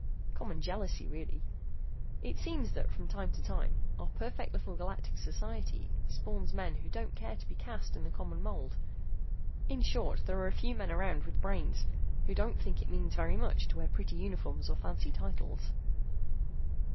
Common jealousy, really. It seems that from time to time, our perfect little galactic society spawns men who don't care to be cast in the common mold. In short, there are a few men around with brains who don't think that it means very much to wear pretty uniforms or fancy titles."